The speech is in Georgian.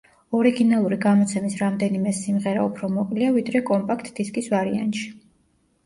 ორიგინალური გამოცემის რამდენიმე სიმღერა უფრო მოკლეა, ვიდრე კომპაქტ დისკის ვარიანტში.